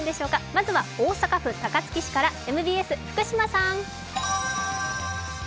まずは大阪府高槻市からＭＢＳ、福島さん！